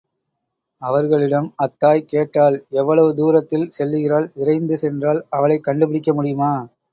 அவர்களிடம் அத் தாய் கேட்டாள், எவ்வளவு தூரத்தில் செல்லுகிறாள் விரைந்து சென்றால், அவளைக் கண்டுபிடிக்க முடியுமா?